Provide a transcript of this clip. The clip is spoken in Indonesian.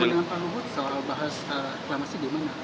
pertemuan dengan pak nuhut soal bahas reklamasi di mana